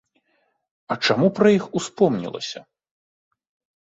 А чаму пра іх успомнілася?